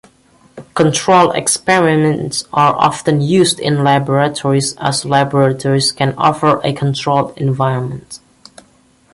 Controlled experiments are often used in laboratories as laboratories can offer a controlled environment.